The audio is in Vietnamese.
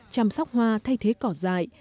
chăm sóc hoa thay thế cỏ dại